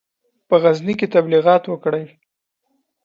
په غزني کې تبلیغات وکړي.